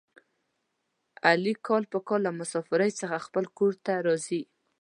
علي کال په کال له مسافرۍ څخه خپل کورته راځي.